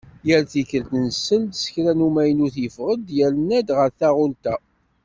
Yal tikkelt nsel s kra n umaynut yeffeɣ-d yerna-d ɣer taɣult-a.